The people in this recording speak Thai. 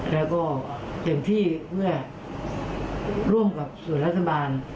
แล้วก็เต็มที่เมื่อร่วมกับส่วนรัฐบาล